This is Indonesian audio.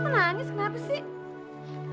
nangis kenapa sih